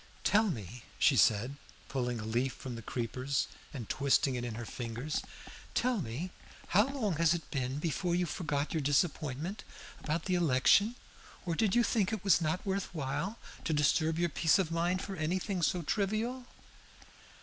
"Tell me," she said, pulling a leaf from the creepers and twisting it in her fingers "tell me, how long was it before you forgot your disappointment about the election? Or did you think it was not worth while to disturb your peace of mind for anything so trivial?"